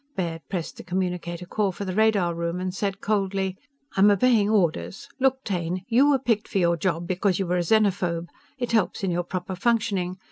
Baird pressed the communicator call for the radar room and said coldly: "I'm obeying orders. Look, Taine! You were picked for your job because you were a xenophobe. It helps in your proper functioning.